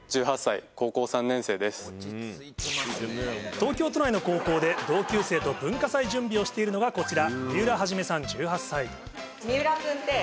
東京都内の高校で同級生と文化祭準備をしているのがこちら